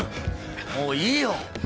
もういいよ！